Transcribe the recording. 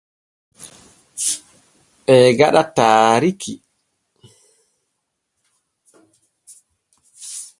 Ɓee gaɗa dartiiru dow taarikki leydi Bene.